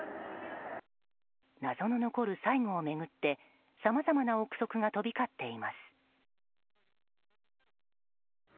謎の残る最期を巡ってさまざまな憶測が飛び交っています。